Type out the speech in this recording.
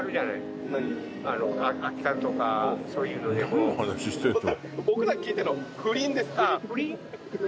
何の話してるの？